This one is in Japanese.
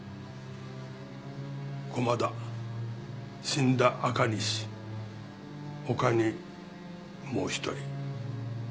駒田死んだ赤西他にもう１人。